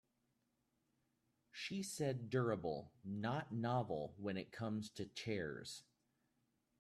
She said durable not novel when it comes to chairs.